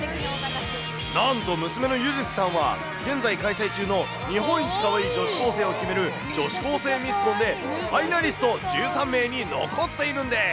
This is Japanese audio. なんと、娘のゆずきさんは、現在開催中の日本一可愛い女子高生を決める女子高生ミスコンでファイナリスト１３名に残っているんです。